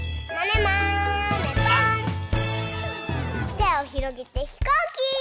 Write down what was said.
てをひろげてひこうき！